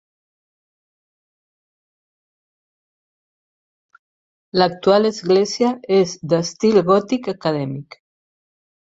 L'actual església és d'estil gòtic acadèmic.